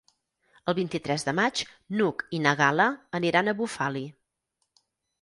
El vint-i-tres de maig n'Hug i na Gal·la aniran a Bufali.